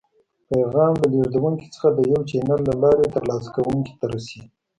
پیغام له لیږدونکي څخه د یو چینل له لارې تر لاسه کوونکي ته رسي.